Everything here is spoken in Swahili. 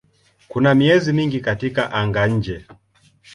Kuna miezi mingi katika anga-nje.